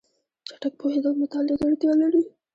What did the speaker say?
چټک پوهېدل مطالعه ته اړتیا لري.